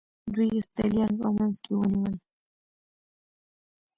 دوی یفتلیان په منځ کې ونیول